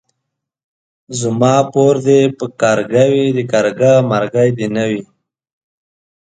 زما پور دي پر کارگه وي ،د کارگه مرگى دي نه وي.